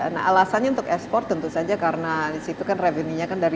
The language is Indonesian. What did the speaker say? nah alasannya untuk ekspor tentu saja karena disitu kan revenue nya kan dari